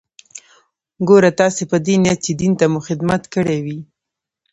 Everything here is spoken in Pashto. ګوره تاسې په دې نيت چې دين ته مو خدمت کړى وي.